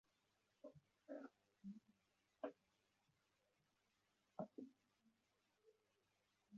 ifarashi yera hejuru y'uruzitiro rwibiti rutatswe nindabyo zitukura numuhondo